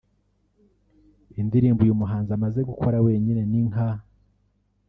Indirimbo uyu muhanzi amaze gukora wenyine ni nka